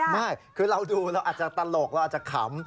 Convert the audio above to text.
ไม่คือเราดูเราอาจจะตลกเราอาจจะขำ